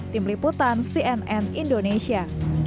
tim liputan cnn indonesia